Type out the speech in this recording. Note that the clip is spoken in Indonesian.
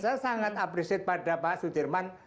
saya sangat appreciate pada pak sudirman